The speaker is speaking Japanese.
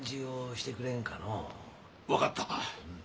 分かった。